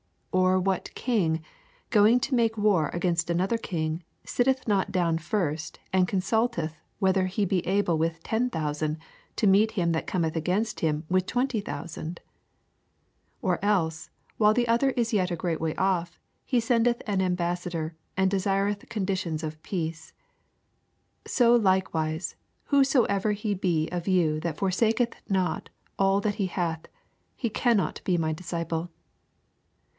81 Or what king, going to make war against another kin^, sitteth not down first, and consultetn whether he be able with ten thousand to meet him that cometh againat him with twenty thousand ? 82 Or else, while the other is yet a great way off, he sendeth an ambas sage, and oesireth conditions of peace. "" 33 So likewise, whosoever he be of you that forsaketh not all that he hath, he cannot be my disciple.